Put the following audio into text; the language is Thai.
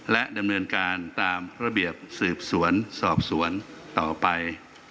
และดำเนินการตามระเบียบสืบสวนสอบสวนต่อไป